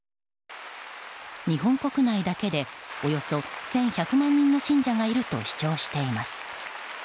日本国内だけでおよそ１１００万人の信者がいると主張しています。